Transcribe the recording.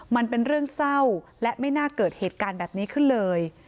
มันเป็นเรื่องเศร้าและไม่น่าเกิดเหตุการณ์แบบนี้ขึ้นเลย